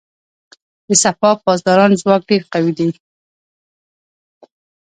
د سپاه پاسداران ځواک ډیر قوي دی.